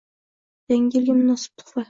Yangi yilga munosib tuhfa